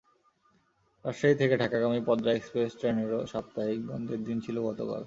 রাজশাহী থেকে ঢাকাগামী পদ্মা এক্সপ্রেস ট্রেনেরও সাপ্তাহিক বন্ধের দিন ছিল গতকাল।